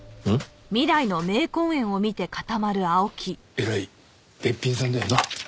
えらいべっぴんさんだよな。